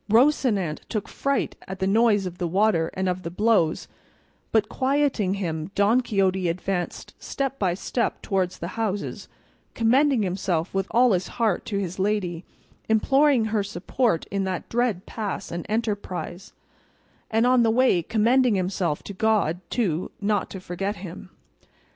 Rocinante took fright at the noise of the water and of the blows, but quieting him Don Quixote advanced step by step towards the houses, commending himself with all his heart to his lady, imploring her support in that dread pass and enterprise, and on the way commending himself to God, too, not to forget him.